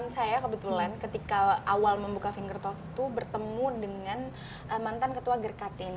saya kebetulan ketika awal membuka finger talk itu bertemu dengan mantan ketua gerkatin